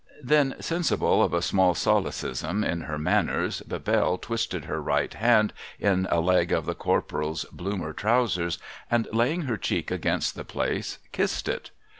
' Then, sensible of a small solecism in her manners, BebeJle twisted her right hand in a leg of the Corporal's Bloomer trousers, and, laying her cheek against the place, kissed it.